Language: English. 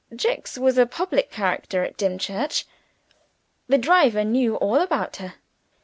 Jicks was a public character at Dimchurch. The driver knew all about her.